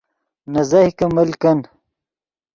نے زیہکے مل کن